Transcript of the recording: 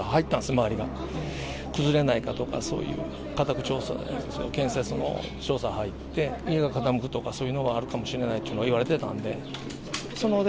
周りが崩れないかとかそういう、家宅調査、建設の調査が入って、家が傾くとかそういうのがあるかもしれないというのは言われてたんで。